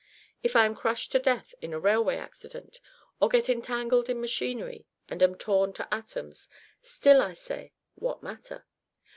If I am crushed to death in a railway accident, or get entangled in machinery and am torn to atoms still I say, what matter?